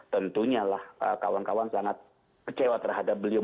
tentunya lah kawan kawan sangat kecewa terhadap beliau